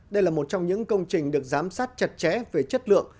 đây là một trong những công trình được giám sát chặt chẽ về chất lượng